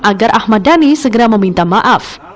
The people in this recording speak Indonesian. agar ahmad dhani segera meminta maaf